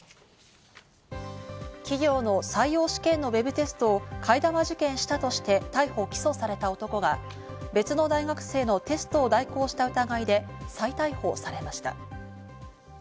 企業の採用試験のウェブテストを替え玉受験したとして逮捕・起訴された男が別の大学生のテストを代行した疑いで再逮捕されました。